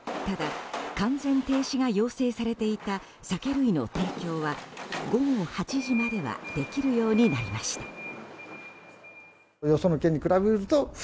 ただ、完全停止が要請されていた酒類の提供は午後８時まではできるようになりました。